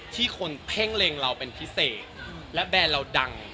ที่คนเพ่งเล็งเราเป็นพิเศษและแบรนด์เราดัง